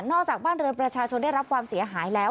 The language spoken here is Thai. จากบ้านเรือนประชาชนได้รับความเสียหายแล้ว